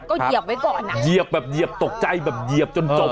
ก็เหยียบไว้ก่อนอ่ะเหยียบแบบเหยียบตกใจแบบเหยียบจนจบ